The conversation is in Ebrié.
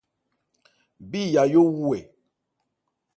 Bí Yayó wu ɛ ?